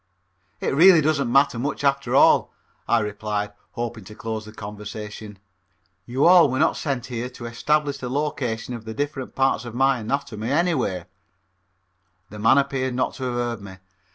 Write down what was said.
"It really doesn't matter much after all," I replied, hoping to close the conversation. "You all were not sent here to establish the location of the different parts of my anatomy, anyway." The man appeared not to have heard me.